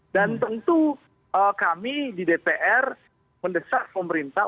dan tentu kami di dpr mendesak pemerintah